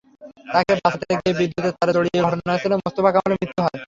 তাঁকে বাঁচাতে গিয়ে বিদ্যুতের তারে জড়িয়ে ঘটনাস্থলেই মোস্তফা কামালের মৃত্যু হয়।